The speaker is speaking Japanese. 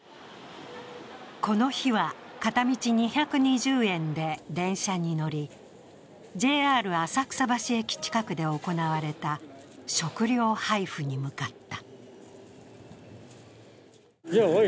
この日は片道２２０円で電車に乗り、ＪＲ浅草橋駅近くで行われた食料配布に向かった。